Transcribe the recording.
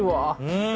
うん！